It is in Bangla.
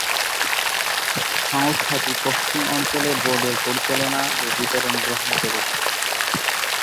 সংস্থাটি পশ্চিম অঞ্চলে বোর্ডের পরিচালনা ও বিতরণ গ্রহণ করেছে।